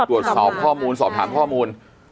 ตรวจสอบข้อมูลสอบถามข้อมูล